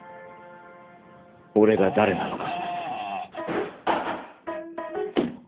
俺が誰なのか。